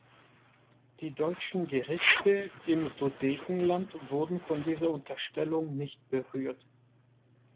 Die deutschen Gerichte im Sudetenland wurde von dieser Unterstellung nicht berührt.